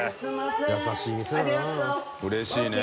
優しい店だな。